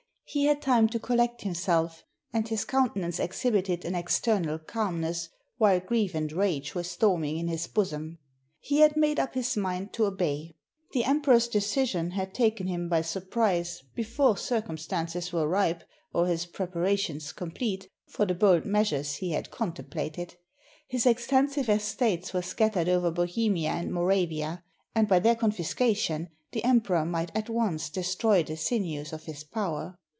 He had time to collect himself, and his countenance exhib ited an external calmness, while grief and rage were storming in his bosom. He had made up his mind to obey. The Emperor's decision had taken him by surprise before circumstances were ripe, or his prepa rations complete, for the bold measures he had con templated. His extensive estates were scattered over Bohemia and Moravia; and, by their confiscation, the Emperor might at once destroy the sinews of his power.